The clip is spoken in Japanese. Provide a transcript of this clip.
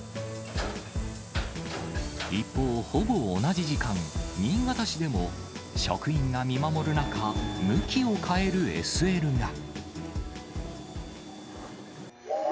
一方、ほぼ同じ時間、新潟市でも職員が見守る中、向きを変えるＳＬが。